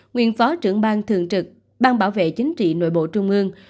nguyên phó trưởng bang thường trực bang bảo vệ chính trị nội bộ trung mương